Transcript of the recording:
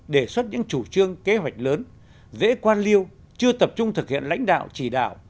đề xuất những chủ trương kế hoạch lớn dễ quan liêu chưa tập trung thực hiện lãnh đạo chỉ đạo